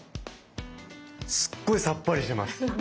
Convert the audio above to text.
すっごいさっぱりしてます。